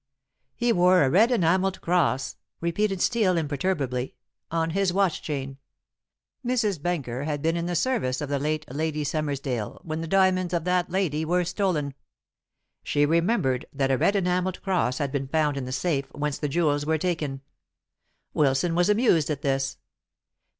"He wore a red enamelled cross," repeated Steel imperturbably, "on his watch chain. Mrs. Benker had been in the service of the late Lady Summersdale when the diamonds of that lady were stolen. She remembered that a red enamelled cross had been found in the safe whence the jewels were taken. Wilson was amused at this.